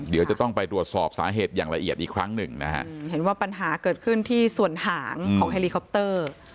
เดี๋ยวจะต้องไปตรวจสอบสาเหตุอย่างละเอียดอีกครั้งหนึ่งนะฮะเห็นว่าปัญหาเกิดขึ้นที่ส่วนหางของเฮลิคอปเตอร์